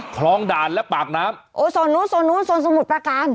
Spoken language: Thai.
คลองด่านและปากน้ำโอ้ยส่วนนู้นส่วนสมุดประการ